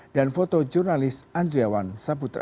dan foto jurnalis andriawan saputra